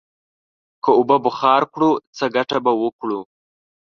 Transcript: که اوبه بخار کړو، څه گټه به وکړو؟